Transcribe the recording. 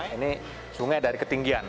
ini sungai dari ketinggian